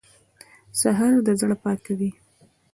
سهار د زړه پاکوي.